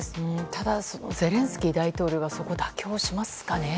ただ、ゼレンスキー大統領がそこを妥協しますかね。